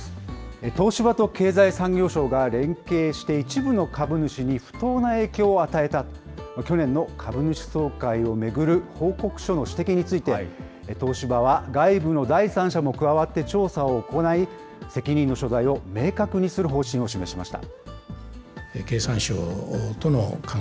東芝と経済産業省が連携して、一部の株主に不当な影響を与えた、去年の株主総会を巡る報告書の指摘について、東芝は外部の第三者も加わって調査を行い、責任の所在を明確にする方針を示しました。